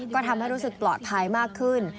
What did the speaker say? ก็ทำให้รู้สึกปลอดภัยมากขึ้น